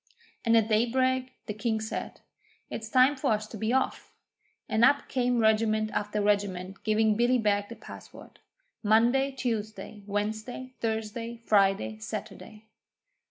And at daybreak the King said: 'It's time for us to be off,' and up came regiment after regiment giving Billy Beg the password Monday, Tuesday, Wednesday, Thursday, Friday, Saturday.